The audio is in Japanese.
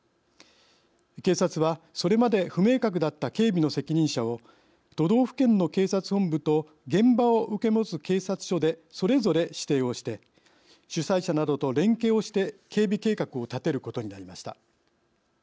警察は、それまで不明確だった警備の責任者を都道府県の警察本部と現場を受け持つ警察署でそれぞれ指定をして主催者などと連携をして警備計画を立てることになりました。